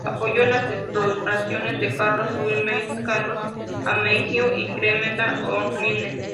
Apoyó las exploraciones de Carlos Burmeister, Carlos Ameghino y Clemente Onelli.